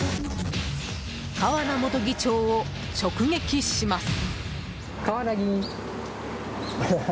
川名元議長を直撃します。